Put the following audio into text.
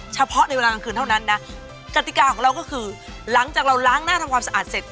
เฉพาะในเวลากลางคืนเท่านั้นนะกติกาของเราก็คือหลังจากเราล้างหน้าทำความสะอาดเสร็จ